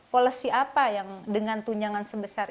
policy apa yang dengan tunjangan sebesar